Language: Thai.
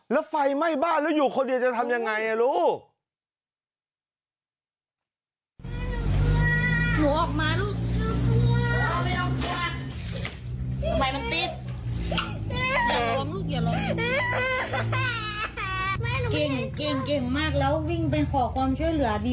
แล้วไฟไหม้บ้านแล้วอยู่คนเดียวจะทำยังไงลูก